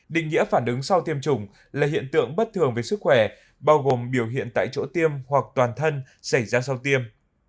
định nghĩa phản ứng sau tiêm chủng là hiện tượng bất thường về sức khỏe bao gồm biểu hiện tại chỗ tiêm hoặc toàn thân xảy ra sau tiêm